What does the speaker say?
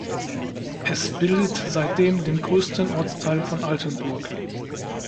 Es bildet seitdem den größten Ortsteil von Altenburg.